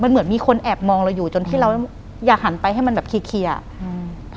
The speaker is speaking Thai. มันเหมือนมีคนแอบมองเราอยู่จนที่เราอยากหันไปให้มันแบบเคียร์อะอืม